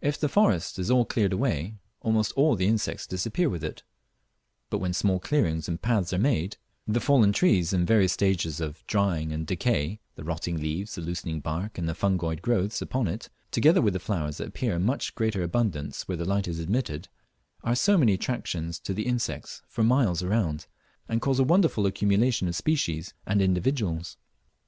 If the forest is all cleared away, almost all the insects disappear with it; but when small clearings and paths are made, the fallen trees in various stages of drying and decay, the rotting leaves, the loosening bark and the fungoid growths upon it, together with the flowers that appear in much greater abundance where the light is admitted, are so many attractions to the insects for miles around, and cause a wonderful accumulation of species and individuals.